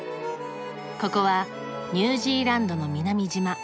ここはニュージーランドの南島。